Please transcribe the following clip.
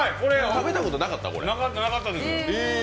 食べたことなかったです。